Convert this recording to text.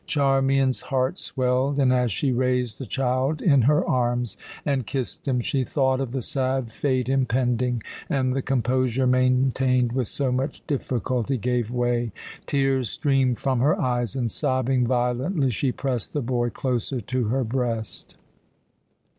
Charmian's heart swelled; and as she raised the child in her arms and kissed him, she thought of the sad fate impending, and the composure maintained with so much difficulty gave way; tears streamed from her eyes and, sobbing violently, she pressed the boy closer to her breast.